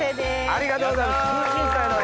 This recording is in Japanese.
ありがとうございます。